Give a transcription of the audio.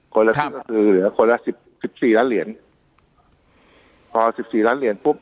ละครึ่งก็คือเหลือคนละสิบสิบสี่ล้านเหรียญพอสิบสี่ล้านเหรียญปุ๊บ